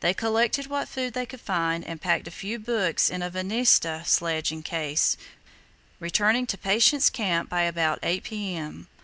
They collected what food they could find and packed a few books in a venesta sledging case, returning to Patience Camp by about 8 p.m.